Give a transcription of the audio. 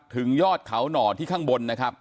ยอดเขาหน่อที่ข้างบนนะครับ